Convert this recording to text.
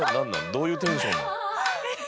どういうテンション。